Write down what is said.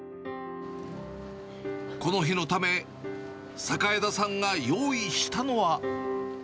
この日のため、榮田さんが用意したのは。